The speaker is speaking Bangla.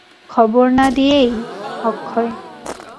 খবর না দিয়েই– অক্ষয়।